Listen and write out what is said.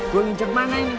gue ngincer kemana ini